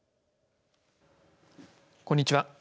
こんにちは。